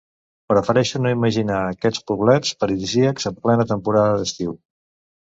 Prefereixo no imaginar aquests poblets paradisíacs en plena temporada d'estiu.